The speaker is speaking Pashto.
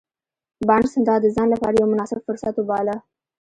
بارنس دا د ځان لپاره يو مناسب فرصت وباله.